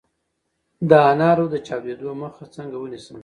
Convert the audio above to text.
د انارو د چاودیدو مخه څنګه ونیسم؟